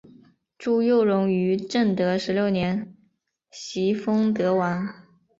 朱佑榕于正德十六年袭封德王。